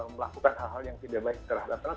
melakukan hal hal yang tidak baik secara datang